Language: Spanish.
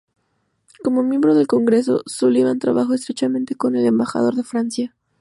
Como miembro del Congreso, Sullivan trabajó estrechamente con el embajador de Francia.